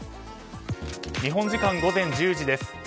日本時間午前１０時です。